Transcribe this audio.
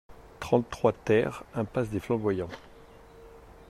trente-trois TER impasse des Flamboyants